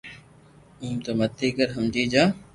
ايم تو متي ڪر ھمجي جا